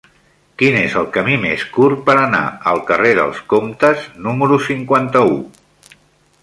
Quin és el camí més curt per anar al carrer dels Comtes número cinquanta-u?